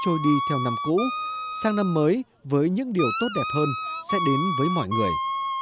trôi đi theo năm cũ sang năm mới với những điều tốt đẹp hơn sẽ đến với mọi người